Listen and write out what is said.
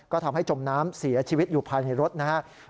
ก็ทำให้จมน้ำเสียชีวิตอยู่ภายในรถนะครับ